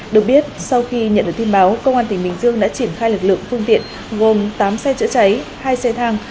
được biết sau khi nhận được tin báo công an tỉnh bình dương đã triển khai lực lượng phương tiện gồm tám xe chữa cháy hai xe thang